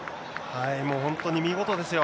もう本当に見事ですよ。